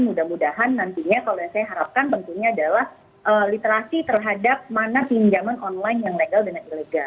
mudah mudahan nantinya kalau yang saya harapkan tentunya adalah literasi terhadap mana pinjaman online yang legal dan ilegal